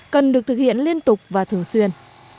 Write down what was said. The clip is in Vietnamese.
cần được thực hiện liên tục và thường xuyên